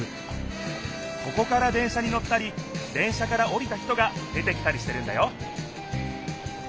ここから電車に乗ったり電車からおりた人が出てきたりしてるんだよ